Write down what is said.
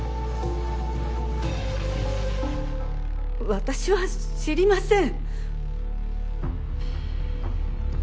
私は知りません！